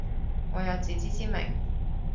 我有自知之明